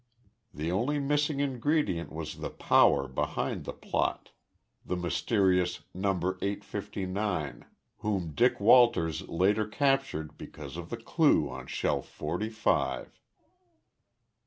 The only missing ingredient was the power behind the plot the mysterious "No. 859" whom Dick Walters later captured because of the clue on Shelf forty five.